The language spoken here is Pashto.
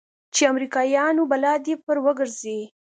چې د امريکايانو بلا دې پر وګرځي.